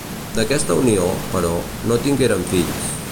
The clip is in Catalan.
D'aquesta unió, però, no tingueren fills.